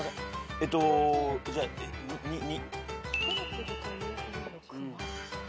えっとじゃあ２。